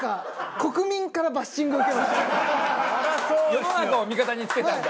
世の中を味方につけたんだ。